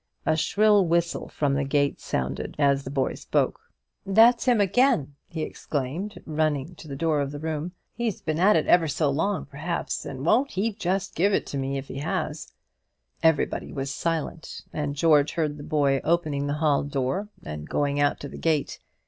A shrill whistle from the gate sounded as the boy spoke. "That's him again!" he exclaimed, running to the door of the room. "He's been at it ever so long, perhaps; and won't he just give it me if he has!" Everybody was silent; and George heard the boy opening the hall door and going out to the gate.